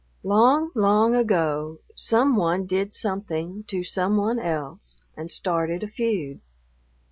Long, long ago some one did something to some one else and started a feud.